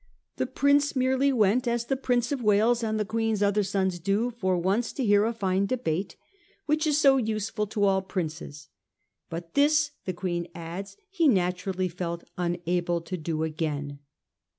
' The Prince merely went, as the Prince of "Wales and the Queen's other sons do, for once, to hear a fine debate, which is so useful to 1846. THE PRIME MINISTER'S POLICY. 405 all princes.' ' But this,' the Queen adds, ' he natu rally felt unable to do again.